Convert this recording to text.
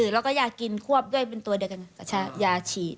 แล้วก็ยากินควบด้วยเป็นตัวเดียวกันกับยาฉีด